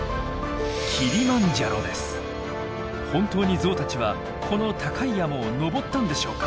本当にゾウたちはこの高い山を登ったんでしょうか？